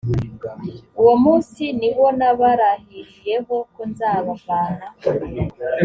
uwo munsi ni wo nabarahiriyeho ko nzabavana